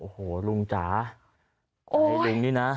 โหลุงจ๋าใส่เตียงนี่นะ